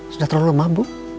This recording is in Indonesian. sudah terlalu lemah bu